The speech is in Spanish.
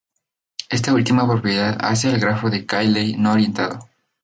Esta última propiedad hace al grafo de Cayley no orientado.